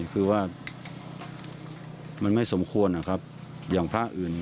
คือว่ามันไม่สมควรอย่างพระอื่น